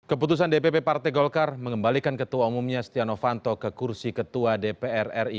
keputusan dpp partai golkar mengembalikan ketua umumnya stiano fanto ke kursi ketua dpr ri